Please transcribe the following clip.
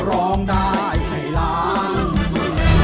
ร้องได้ให้ล้าน